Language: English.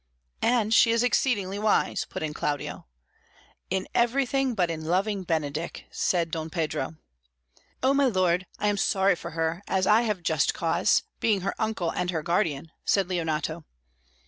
"And she is exceedingly wise," put in Claudio. "In everything but in loving Benedick," said Don Pedro. "Oh, my lord, I am sorry for her, as I have just cause, being her uncle and her guardian," said Leonato.